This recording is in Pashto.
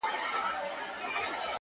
د اختر سهار ته مي”